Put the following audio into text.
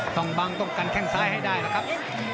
ต้องกันแค่นซ้ายให้ได้นะครับ